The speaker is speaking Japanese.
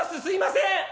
すいません！」。